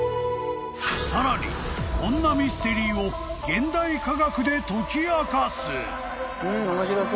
［さらにこんなミステリーを現代科学で解き明かす］